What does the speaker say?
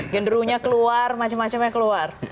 genderunya keluar macam macamnya keluar